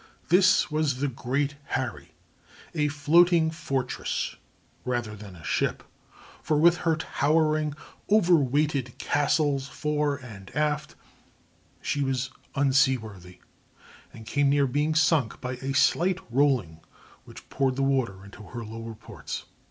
This was the Great Harry—a floating fortress rather than a ship; for, with her towering, overweighted "castles" fore and aft, she was unseaworthy, and came near being sunk by a slight rolling which poured the water into her lower ports.